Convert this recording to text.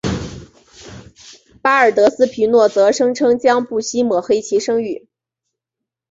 巴尔德斯皮诺则声称将不惜抹黑其声誉。